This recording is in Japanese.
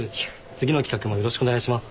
次の企画もよろしくお願いします。